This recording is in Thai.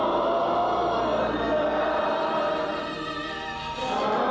ท่านผู้มีเกียรติทุกท่านครับ